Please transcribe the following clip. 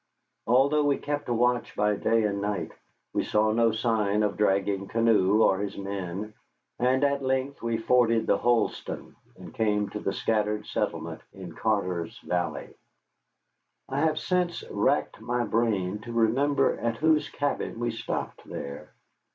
Although we kept a watch by day and night, we saw no sign of Dragging Canoe or his men, and at length we forded the Holston and came to the scattered settlement in Carter's Valley. I have since racked my brain to remember at whose cabin we stopped there.